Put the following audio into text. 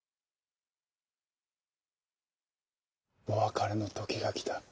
「おわかれのときがきた」。